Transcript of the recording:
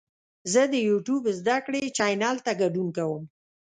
زه د یوټیوب زده کړې چینل ته ګډون کوم.